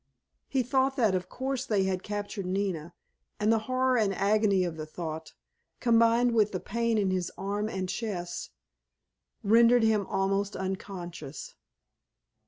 He thought that of course they had captured Nina, and the horror and agony of the thought, combined with the pain in his arm and chest, rendered him almost unconscious.